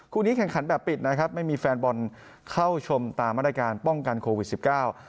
คู่นี้แข่งขันแบบปิดนะครับไม่มีแฟนบอลเข้าชมตามมาตรการป้องกันโควิดสิบเก้า